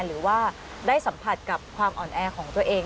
หรือว่าได้สัมผัสกับความอ่อนแอของตัวเอง